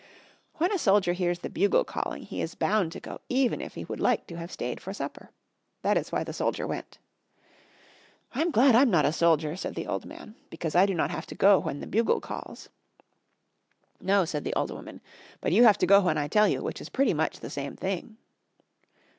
When a soldier hears the bugle calling he is bound to go even if he would like to have stayed for supper. That is why the soldier went. "I am glad I am not a soldier," said the old man, "because I do not have to go when the bugle calls." "No," said the old woman, "but you have to go when I tell you, which is pretty much the same thing."